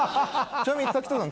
ちなみに滝藤さん